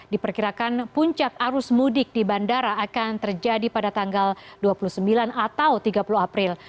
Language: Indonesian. diperkirakan puncak arus mudik di bandara akan terjadi pada tanggal dua puluh sembilan atau tiga puluh april